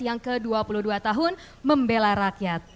yang ke dua puluh dua tahun membela rakyat